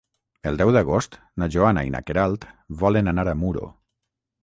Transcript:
El deu d'agost na Joana i na Queralt volen anar a Muro.